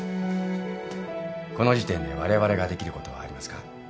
この時点でわれわれができることはありますか？